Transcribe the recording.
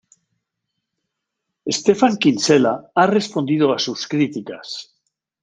Stephan Kinsella ha respondido a sus críticas.